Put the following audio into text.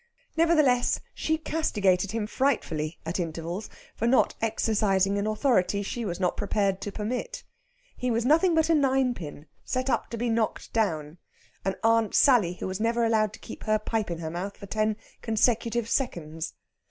Nevertheless, she castigated him frightfully at intervals for not exercising an authority she was not prepared to permit. He was nothing but a ninepin, set up to be knocked down, an Aunt Sally who was never allowed to keep her pipe in her mouth for ten consecutive seconds.